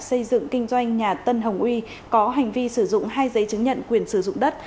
xây dựng kinh doanh nhà tân hồng uy có hành vi sử dụng hai giấy chứng nhận quyền sử dụng đất